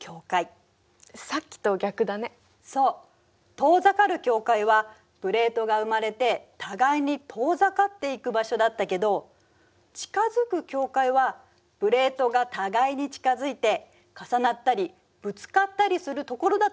「遠ざかる境界」はプレートが生まれて互いに遠ざかっていく場所だったけど「近づく境界」はプレートが互いに近づいて重なったりぶつかったりするところだと考えられているの。